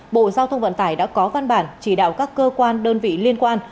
bộ giao thông vận tải đã có văn bản chỉ đạo các cơ quan đơn vị liên quan